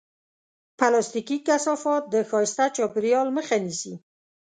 پلاستيکي کثافات د ښایسته چاپېریال مخه نیسي.